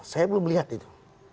saya belum melihat itu